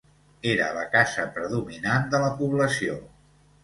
Era la casa predominant de la població.